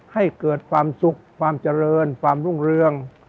ให้เกิดความสุขความเจริญความรุ่งเรือง